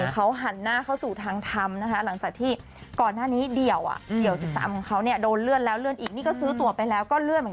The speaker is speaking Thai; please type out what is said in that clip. เขาหันหน้าเข้าสู่ทางทำนะคะหลังจากที่ก่อนหน้านี้เดี่ยวก็เลื่อนเหลือนแล้วโน๊ตก็ละสู่แล้วเลย